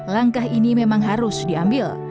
langkah ini memang harus diambil